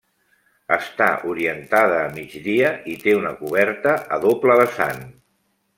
Està orientada a migdia i té una coberta a doble vessant.